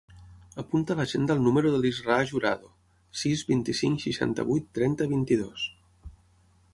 Apunta a l'agenda el número de l'Israa Jurado: sis, vint-i-cinc, seixanta-vuit, trenta, vint-i-dos.